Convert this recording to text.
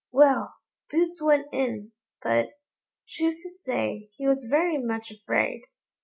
Well! Boots went in, but, truth to say, he was very much afraid.